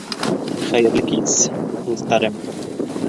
Хәйерле кис, дуҫтарым!